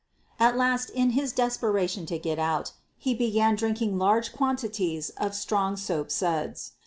At last, in his desperation to get out, he began drinking large quantities of strong soap suds.